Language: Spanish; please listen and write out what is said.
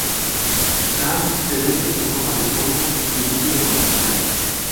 Tang se vende en forma de polvo y líquido concentrado.